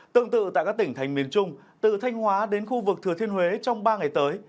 tương tự tại các tỉnh thành miền trung từ thanh hóa đến khu vực thừa thiên huế trong ba ngày tới